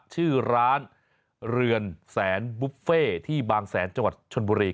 ชื่อร้านเรือนแสนบุฟเฟ่ที่บางแสนจังหวัดชนบุรี